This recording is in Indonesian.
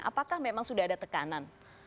apakah memang sudah ada tekanan